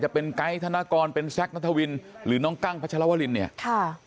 จะเป็นไกด์ธนกรเป็นแซคนัทวินหรือน้องกั้งพัชรวรินเนี่ยค่ะ